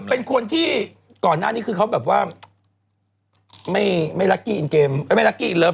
อะไรนะอะไรนะใครบอกให้กินช็อกกี้